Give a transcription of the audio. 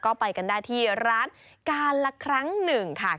ก็ไปกันได้ที่ร้านการละครั้งหนึ่งค่ะ